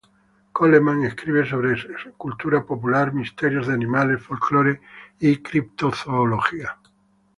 Coleman escribe sobre cultura popular, misterios de animales, folclore, y criptozoología.